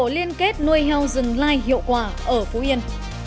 liên kết nuôi heo rừng lai hiệu quả ở phú yên